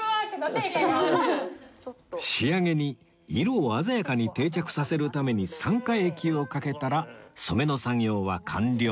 仕上げに色を鮮やかに定着させるために酸化液をかけたら染めの作業は完了